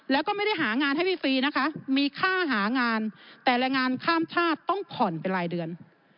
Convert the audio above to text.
แล้วก็ไม่ได้หางานให้ฟรีนะคะมีค่าหางานแต่แรงงานข้ามชาติต้องผ่อนเป็นรายเดือน